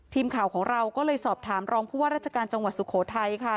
ทีมข่าวของเราก็เลยสอบถามรองผู้ว่าราชการจังหวัดสุโขทัยค่ะ